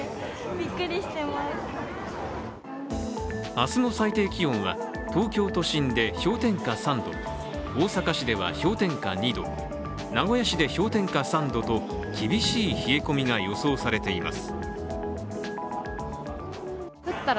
明日の最低気温は東京都心で氷点下３度大阪市では氷点下２度、名古屋市で氷点下３度と厳しい冷え込みが予想されています。